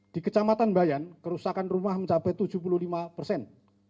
di kecamatan bayan kerusakan rumah mencapai tujuh puluh lima persen